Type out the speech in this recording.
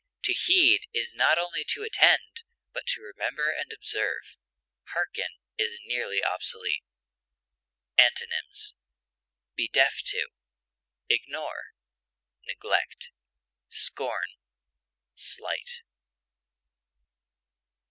To heed is not only to attend, but to remember and observe. Harken is nearly obsolete. Antonyms: be deaf to, ignore, neglect, scorn, slight.